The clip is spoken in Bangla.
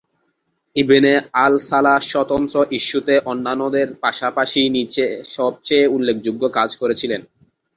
ইবনে আল সালাহ স্বতন্ত্র ইস্যুতে অন্যান্যদের পাশাপাশি নীচে সবচেয়ে উল্লেখযোগ্য কাজ করেছিলেন।